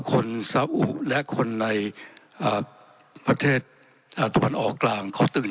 คนสาวอุบและคนในอ่าประเทศอัตวันออกลางเขาตื่น